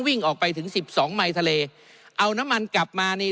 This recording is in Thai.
วิ่งออกไปถึงสิบสองไมค์ทะเลเอาน้ำมันกลับมานี่